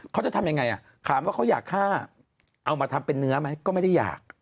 เขาจะทำยังไงอ่ะถามว่าเขาอยากฆ่าเอามาทำเป็นเนื้อไหมก็ไม่ได้อยาก